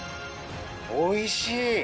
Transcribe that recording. おいしい！